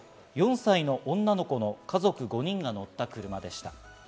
４歳の女の子の家族５人が乗った車でした。